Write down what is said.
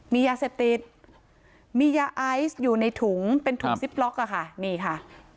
มียาเสพติดมียาไอซ์อยู่ในถุงเป็นถุงซิปล็อกอะค่ะนี่ค่ะ